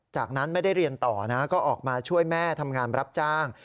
จากนั้นไม่ได้เรียนต่อนะก็ออกมาช่วยแม่ทำงานรับจ้าง